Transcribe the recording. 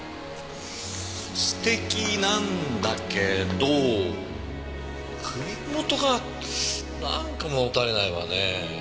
すてきなんだけど首元がなんか物足りないわねえ。